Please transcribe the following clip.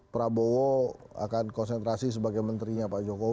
prabowo akan konsentrasi sebagai menterinya pak jokowi